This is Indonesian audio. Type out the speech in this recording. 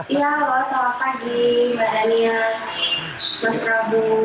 iya halo selamat pagi mbak dania mas prabu